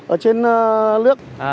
ở trên nước